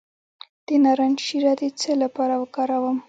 د نارنج شیره د څه لپاره وکاروم؟